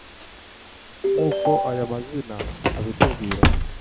Nk'uko aya mazina abitubwira,